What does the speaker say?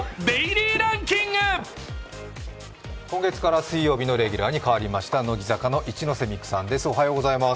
今月から水曜日のレギュラーに変わりました、乃木坂の一ノ瀬美空さんです。